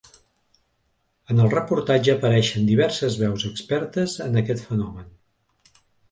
En el reportatge apareixen diverses veus expertes en aquest fenomen.